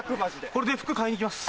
これで服買いに行きます。